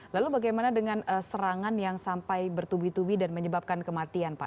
lalu bagaimana dengan serangan yang sampai bertubi tubi dan menyebabkan kematian pak